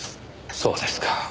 そうですか。